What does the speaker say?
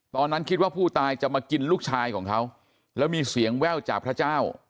ตอนนั้นคิดว่าผู้ตายจะมากินลูกชายของเขาแล้วมีเสียงแว่วจากพระเจ้า